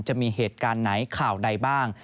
จะมีเหตุการณ์ไหนข่าวใดบ้าง